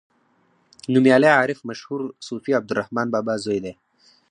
نومیالی عارف مشهور صوفي عبدالرحمان بابا زوی دی.